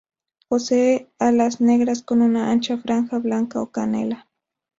Posee alas negras con una ancha franja blanca o canela.